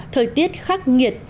thời tiết khắc nghiệt